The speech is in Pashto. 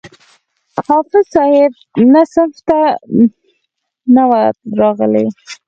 حافظ صاحب نه صنف ته نه وو راغلى.